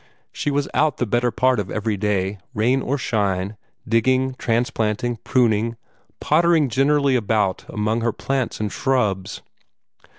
She was out the better part of every day, rain or shine, digging, transplanting, pruning, pottering generally about among her plants and shrubs.